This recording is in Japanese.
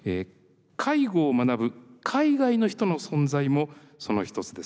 介護を学ぶ海外の人の存在もその一つです。